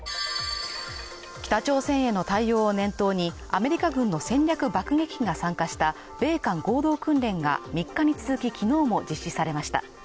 北朝鮮への対応を念頭に、アメリカ軍の戦略爆撃機が参加した米韓合同訓練が３日に続き昨日も実施されました。